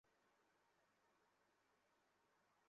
শুধু এতটুকুই চাওয়া আমার, যখন তা হবে তোমাকে যেন মনে রাখতে পারি।